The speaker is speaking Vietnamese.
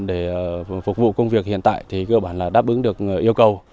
để phục vụ công việc hiện tại thì đáp ứng được yêu cầu